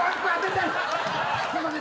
すいません。